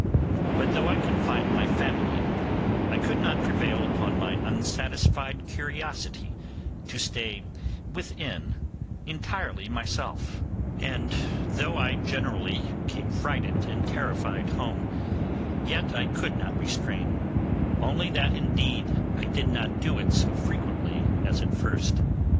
But though I confined my family, I could not prevail upon my unsatisfied curiosity to stay within entirely myself; and though I generally came frighted and terrified home, yet I could not restrain; only that indeed I did not do it so frequently as at first.